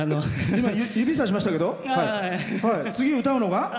次、歌うのが？